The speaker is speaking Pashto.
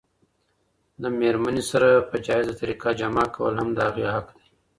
د ميرمني سره په جائزه طريقه جماع کول هم د هغې حق دی.